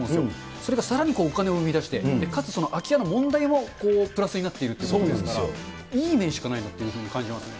それがさらにお金を生み出して、かつ空き家の問題もプラスになってということですから、いい面しかないなっていうふうに感じますね。